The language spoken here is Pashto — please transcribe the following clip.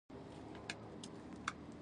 د رڼا د څوسوالګرو، وینې، وینې